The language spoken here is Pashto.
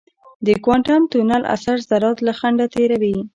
د کوانټم تونل اثر ذرات له خنډه تېروي.